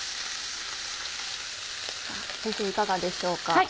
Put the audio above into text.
先生いかがでしょうか？